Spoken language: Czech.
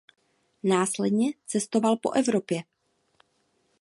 Následně cestoval po Evropě.